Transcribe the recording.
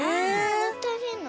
塗ってあげるの？